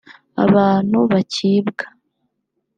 abantu bakibwa